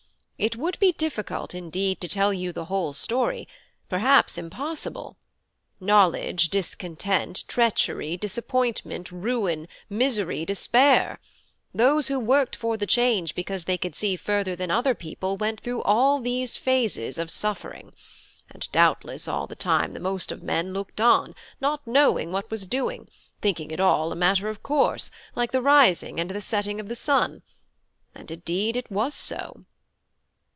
It would be difficult indeed to tell you the whole story, perhaps impossible: knowledge, discontent, treachery, disappointment, ruin, misery, despair those who worked for the change because they could see further than other people went through all these phases of suffering; and doubtless all the time the most of men looked on, not knowing what was doing, thinking it all a matter of course, like the rising and setting of the sun and indeed it was so."